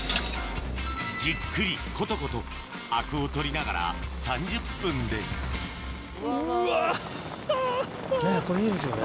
じっくりコトコトアクを取りながら３０分でこれいいですよね。